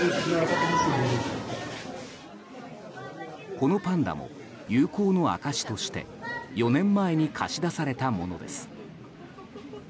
このパンダも友好の証しとして４年前に貸し出されたものです。